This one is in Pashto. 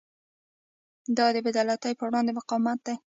دا د بې عدالتۍ پر وړاندې مقاومت دی.